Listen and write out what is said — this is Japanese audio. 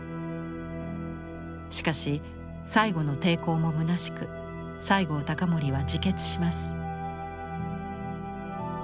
しかし最後の抵抗もむなしく西郷隆盛は自決します。